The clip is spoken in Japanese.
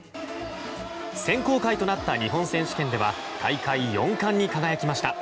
選考会となった日本選手権では大会４冠に輝きました。